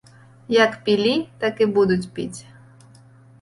Як пілі, так і будуць піць.